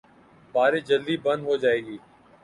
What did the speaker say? بارش جلدی بند ہو جائے گی۔